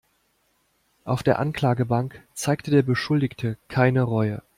Auf der Anklagebank zeigte der Beschuldigte keine Reue.